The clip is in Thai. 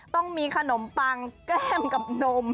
ต้องมีขนมปังแก้มกับนม